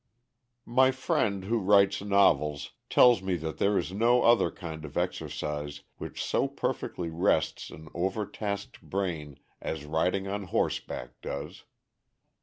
_ My friend who writes novels tells me that there is no other kind of exercise which so perfectly rests an over tasked brain as riding on horseback does.